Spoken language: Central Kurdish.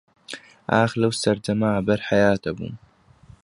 ئاخ لەو سەردەما بەر حەیات ئەبووم